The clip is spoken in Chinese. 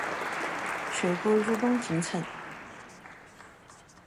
全国入冬进程